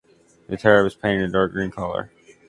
The tower was painted in dark green color.